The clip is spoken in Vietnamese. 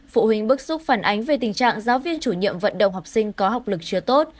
phụ huynh bức xúc phản ánh về tình trạng giáo viên chủ nhiệm vận động học sinh có học lực chưa tốt